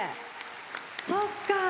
そっか。